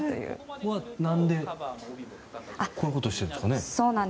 これは何でこういうことをしてるんですかね。